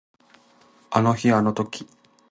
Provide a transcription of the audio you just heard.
あの日あの時